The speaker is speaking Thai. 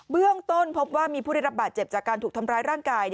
เรื่องต้นพบว่ามีผู้ได้รับบาดเจ็บจากการถูกทำร้ายร่างกาย